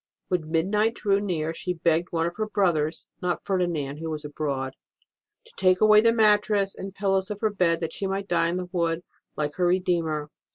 When midnight drew near she begged one of her brothers (not Ferdinand, who was abroad) to take away the mattress and pillows of her bed, that she might die on the wood, like her Redeemer.